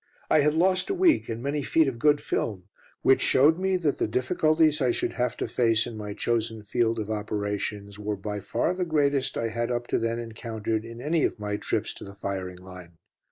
I had lost a week, and many feet of good film, which showed me that the difficulties I should have to face in my chosen field of operations were by far the greatest I had up to then encountered in any of my trips to the firing line.